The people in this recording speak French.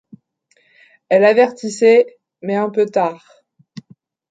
Elle avertissait, mais un peu tard.